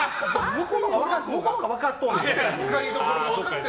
向こうのほうが分かっとんねん。